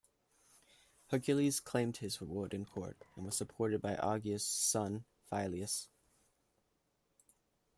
Hercules claimed his reward in court, and was supported by Augeas' son Phyleus.